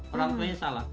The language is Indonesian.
orang tuanya salah